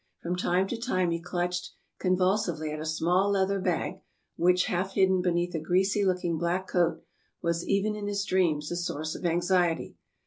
From time to time he clutched convul sively at a small leather bag, which, half hidden beneath a greasy looking black coat, was, even in his dreams, a source of anxiety.